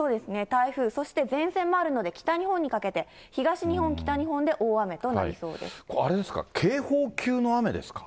台風そして前線もあるので、北日本にかけて、東日本、北日本で大雨となりそうであれですか、警報級の雨ですか。